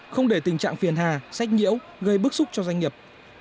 không để tình trạng phiền hà sách nhiễu gây bức xúc cho doanh nghiệp